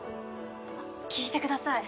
あっ聞いてください